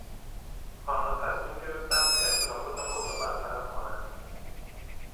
آنان تصمیم گرفتند که اختلافات خود را برطرف کنند.